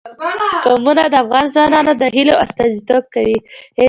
قومونه د افغان ځوانانو د هیلو استازیتوب کوي.